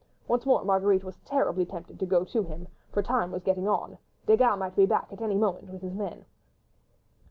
Once more Marguerite was terribly tempted to go to him, for time was getting on; Desgas might be back at any moment with his men.